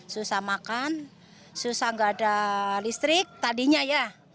susah makan susah nggak ada listrik tadinya ya